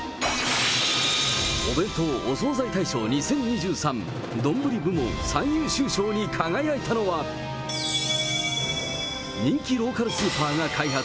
お弁当・お惣菜大賞２０２３、丼部門最優秀賞に輝いたのは、人気ローカルスーパーが開発。